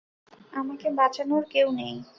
আমাকে বাঁচানোর কেউ নেই?